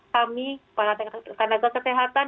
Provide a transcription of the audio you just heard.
kami para tenaga kesehatan